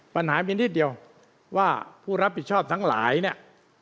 ปัญหามีนิดเดียวว่าผู้รับผิดชอบทั้งหลายเนี่ย